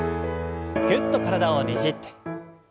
ぎゅっと体をねじって。